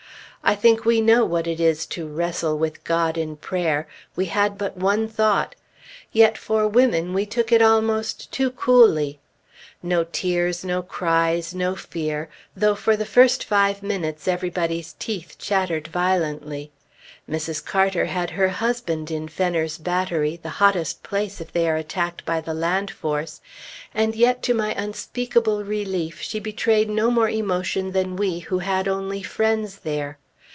I think we know what it is to "wrestle with God in prayer"; we had but one thought. Yet for women, we took it almost too coolly. No tears, no cries, no fear, though for the first five minutes everybody's teeth chattered violently. Mrs. Carter had her husband in Fenner's battery, the hottest place if they are attacked by the land force, and yet to my unspeakable relief she betrayed no more emotion than we who had only friends there.